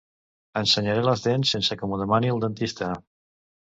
Ensenyaré les dents sense que m'ho demani el dentista.